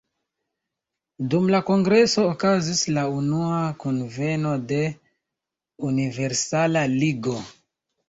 Dum la kongreso okazis la unua kunveno de "Universala Ligo".